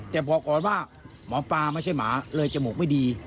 แต่บอกก่อนว่าหมอปลาไม่ใช่หมาเลยจมูกไม่ดี